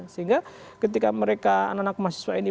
sehingga ketika mereka anak anak mahasiswa ini